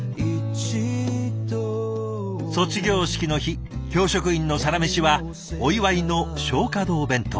卒業式の日教職員のサラメシはお祝いの松花堂弁当。